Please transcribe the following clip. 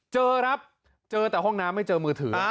เจอครับเจอแต่ห้องน้ำไม่เจอมือถือ